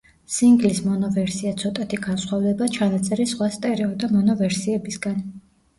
სინგლის მონო ვერსია ცოტათი განსხვავდება ჩანაწერის სხვა სტერეო და მონო ვერსიებისგან.